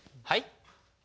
はい？